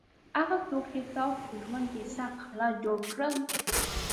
هغه څوک چې تاسو په ژوند کې یې سخت حالات جوړ کړل.